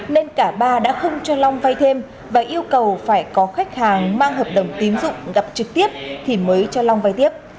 nên cả ba đã không cho long vay thêm và yêu cầu phải có khách hàng mang hợp đồng tín dụng gặp trực tiếp thì mới cho long vay tiếp